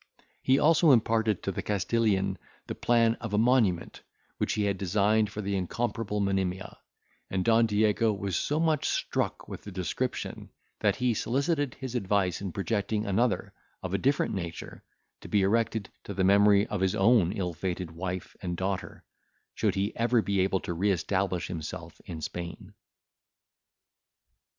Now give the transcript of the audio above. He also imparted to the Castilian the plan of a monument, which he had designed for the incomparable Monimia; and Don Diego was so much struck with the description, that he solicited his advice in projecting another, of a different nature, to be erected to the memory of his own ill fated wife and daughter, should he ever be able to re establish himself in Spain.